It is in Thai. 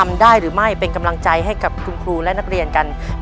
ในแคมเปญพิเศษเกมต่อชีวิตโรงเรียนของหนู